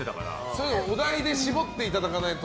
それはお題で絞っていただかないと。